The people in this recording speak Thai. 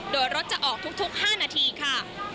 โดยรถจะออกทุก๕นาทีค่ะ